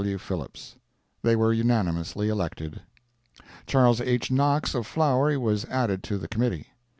W. Phillips. They were unanimously elected. Chas. H. Knox of Flowery was added to the committee.